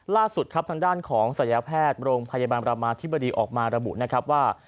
ล่าสุดครับทางด้านของศัยแพทย์โรงพยาบาลประมาธิบดีออกมาระบุนะครับว่า